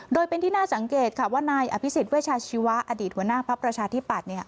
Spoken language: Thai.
โดยเป็นที่น่าสังเกตค่ะว่านายอภิษฎเวชาชีวะอดีตหัวหน้าภักดิ์ประชาธิปัตย์